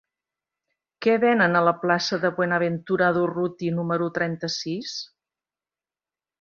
Què venen a la plaça de Buenaventura Durruti número trenta-sis?